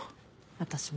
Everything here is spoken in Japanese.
私も。